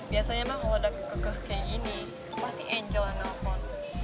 biasanya emang kalo udah kekekeh kayak gini pasti angel yang nelfon